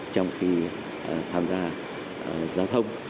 trong khi tham gia giao thông